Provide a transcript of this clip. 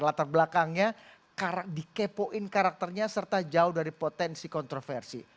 latar belakangnya dikepoin karakternya serta jauh dari potensi kontroversi